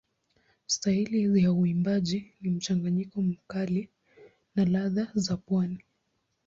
Staili ya uimbaji ni mchanganyiko mkali na ladha za pwani.